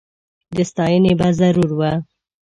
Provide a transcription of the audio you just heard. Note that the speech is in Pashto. د ستایني به ضرور و